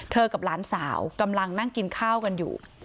กับหลานสาวกำลังนั่งกินข้าวกันอยู่